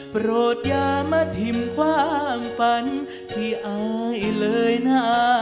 โปรดอย่ามาทิมความฝันที่อายเลยนะ